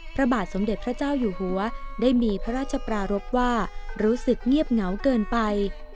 พระบาทสมเด็จพระเจ้าอยู่หัวได้มีพระราชปรารบว่ารู้สึกเงียบเหงาเกินไป